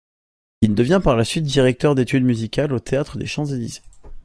Il devient par la suite directeur d'étude musicale au Théâtre des Champs-Élysées.